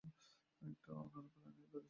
অন্যান্য প্রাণীরা তাদের শিকার করবে।